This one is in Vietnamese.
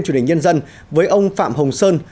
truyền hình nhân dân với ông phạm hồng sơn